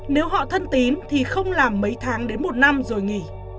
nếu họ thân tín thì không làm mấy tháng đến một năm rồi nghỉ